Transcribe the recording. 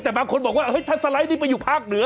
แต่บางคนบอกว่าถ้าสไลด์นี้ไปอยู่ภาคเหนือ